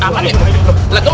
lagi dulu lagi dulu